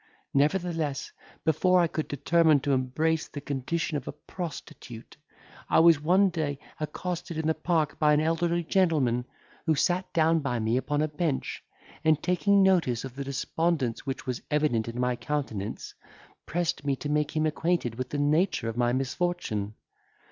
Nevertheless, before I could determine to embrace the condition of a prostitute, I was one day accosted in the Park by an elderly gentleman who sat down by me upon a bench, and, taking notice of the despondence which was evident in my countenance, pressed me to make him acquainted with the nature of my misfortune.